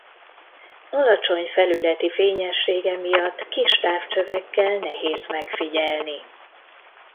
Alacsony felületi fényessége miatt kis távcsövekkel nehéz megfigyelni.